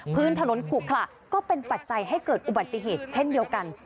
พื้นถนนขุขระก็เป็นปัจจัยให้เกิดอุบัติเหตุเช่นเดียวกัน